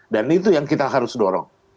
dan itu yang kita harus dorong